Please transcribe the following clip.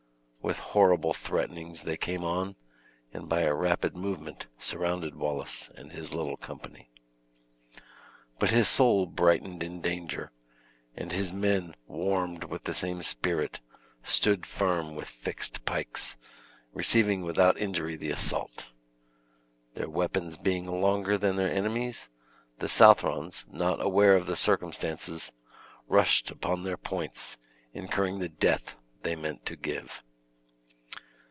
With horrible threatenings, they came on, and by a rapid movement surrounded Wallace and his little company. But his soul brightened in danger, and his men warmed with the same spirit, stood firm with fixed pikes, receiving without injury the assault. Their weapons being longer than their enemy's, the Southrons, not aware of the circumstance, rushed upon their points, incurring the death they meant to give.